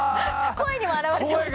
声にも表れてますね